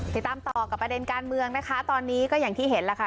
ติดตามต่อกับประเด็นการเมืองนะคะตอนนี้ก็อย่างที่เห็นแล้วค่ะ